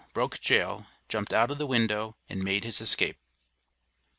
BROKE JAIL, JUMPED OUT OF THE WINDOW AND MADE HIS ESCAPE.